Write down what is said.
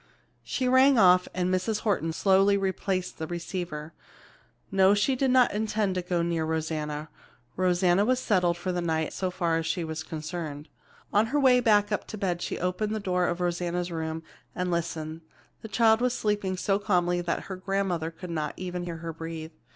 She rang off and Mrs. Horton slowly replaced the receiver. No, she did not intend to go near Rosanna. Rosanna was settled for the night so far as she was concerned. On her way up to bed, she opened the door of Rosanna's room, and listened. The child was sleeping so calmly that her grandmother could not even hear her breathe.